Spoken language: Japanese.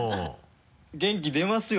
元気出ますよ！